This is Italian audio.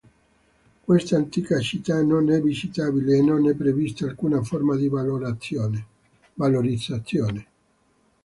Questa antica città non è visitabile e non è prevista alcuna forma di valorizzazione.